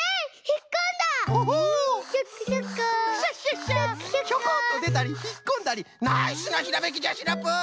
ひょこっとでたりひっこんだりナイスなひらめきじゃシナプー！